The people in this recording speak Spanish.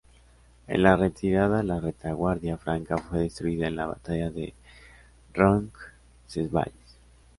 En la retirada la retaguardia franca fue destruida en la batalla de Roncesvalles.